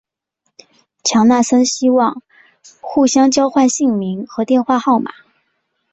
强纳森希望互相交换姓名和电话号码。